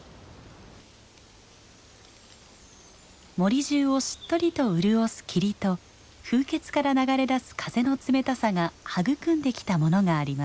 森中をしっとりと潤す霧と風穴から流れだす風の冷たさが育んできたものがあります。